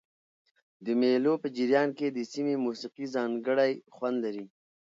د مېلو په جریان کښي د سیمي موسیقي ځانګړی خوند لري.